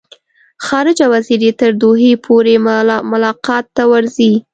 خارجه وزیر یې تر دوحې پورې ملاقات ته ورځي.